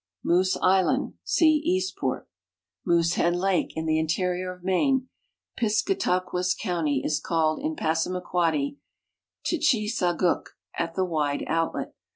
Moose island. (See Eastport.) Moosehead lake, in the interior of Maine, Piscataquis county, is called in Passamaquoddy Ktchi saguk, "at the wide outlet."